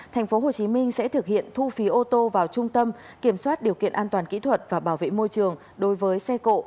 tp hcm sẽ thực hiện thu phí ô tô vào trung tâm kiểm soát điều kiện an toàn kỹ thuật và bảo vệ môi trường đối với xe cộ